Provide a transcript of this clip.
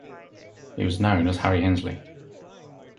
He was known as Harry Hinsley.